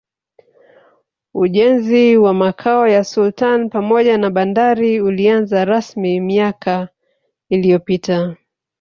Ujenzi wa Makao ya Sultani pamoja na bandari ulianza rasmi miaka iliyopita